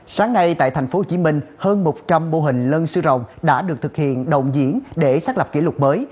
sáng nay tại tp hcm hơn một trăm linh mô hình lân sư rồng đã được thực hiện đồng diễn để xác lập kỷ lục mới